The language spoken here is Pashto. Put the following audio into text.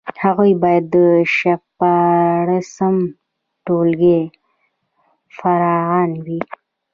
هغوی باید د شپاړسم ټولګي فارغان وي.